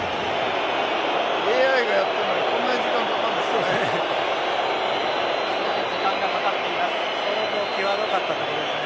ＡＩがやっているのにこんなに時間かかるんですね。